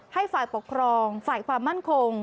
ให้ฝ่ายปกครองฝ่ายความมั่นคง